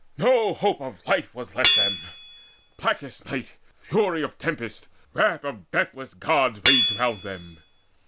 No hope of life was left them: blackest night, Fury of tempest, wrath of deathless Gods, Raged round them.